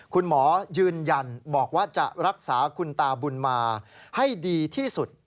คุณหมอยืนยันบอกว่าจะรักษาคุณตาบุญมาให้ดีที่สุด